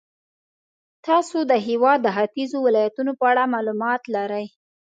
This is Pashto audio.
تاسې د هېواد د ختیځو ولایتونو په اړه معلومات لرئ.